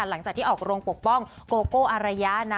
หลังจากที่ออกโรงปกป้องโกโก้อารยะนะ